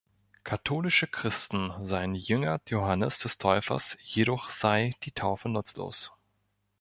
Katholische Christen seien Jünger Johannes des Täufers, jedoch sei die Taufe nutzlos.